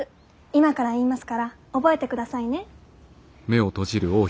今から言いますから覚えてくださいね。